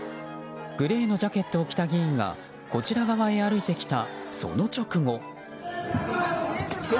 グレーのジャケットを着た議員がこちら側へ歩いてきたその直後。